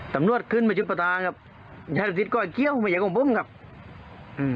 ตำรวจคุ้นมาเชิดประตานอยากกดเกี้ยวไหมกับผม